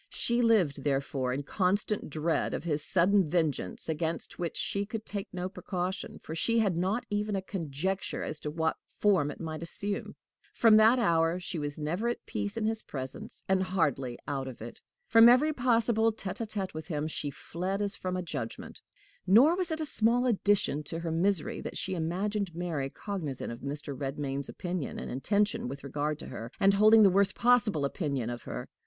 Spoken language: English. She lived, therefore, in constant dread of his sudden vengeance, against which she could take no precaution, for she had not even a conjecture as to what form it might assume. From that hour she was never at peace in his presence, and hardly out of it; from every possible tete a tete with him she fled as from a judgment. Nor was it a small addition to her misery that she imagined Mary cognizant of Mr. Redmain's opinion and intention with regard to her, and holding the worst possible opinion of her.